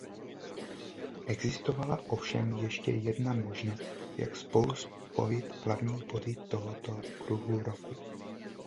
Existovala ovšem ještě jedna možnost jak spolu spojit hlavní body tohoto "kruhu roku".